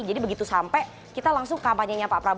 jadi begitu sampai kita langsung kampanye pak prabowo di merauke